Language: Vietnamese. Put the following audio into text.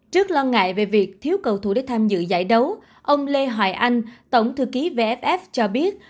trước lo ngại về việc thiếu cầu thủ để tham dự giải đấu ông lê hoài anh tổng thư ký vff cho biết